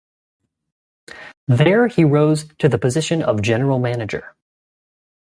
There, he rose to the position of general manager.